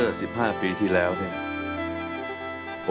โอ้โฮ